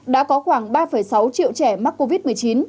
đã có khoảng ba sáu triệu trẻ mắc covid một mươi chín